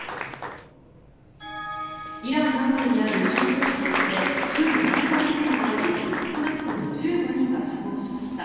イラン南部にある宗教施設で銃の乱射事件があり少なくとも１５人が死亡しました。